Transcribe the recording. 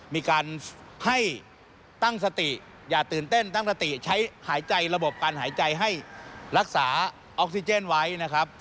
มีการให้ตั้งสติอย่าตื่นเต้นตั้งสติใช้หายใจระบบการหายใจให้รักษาออกซิเจนไว้นะครับ